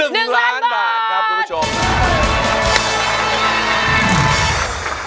๑ล้านบาทครับคุณผู้ชม